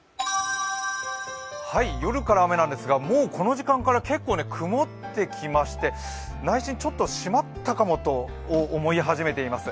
夜から雨なんですがもうこの時間から結構曇ってきまして内心ちょっとしまったかもと思い始めています。